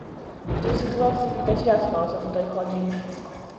W tej sytuacji widać jasno, o co tutaj chodzi